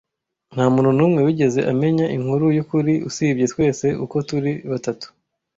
Ntamuntu numwe wigeze amenya inkuru yukuri usibye twese uko turi batatu.